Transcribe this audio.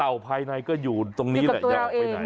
ภายในก็อยู่ตรงนี้แหละอยากออกไปไหน